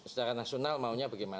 secara nasional maunya bagaimana